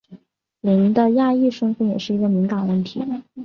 林的亚裔身份也是一个敏感问题。